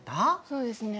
そうですね。